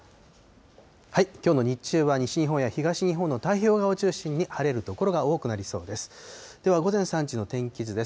きょうの日中は、西日本や東日本の太平洋側を中心に晴れる所が多くなりそうです。